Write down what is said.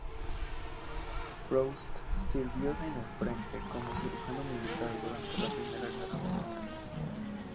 Proust sirvió en el frente como cirujano militar durante la Primera guerra mundial.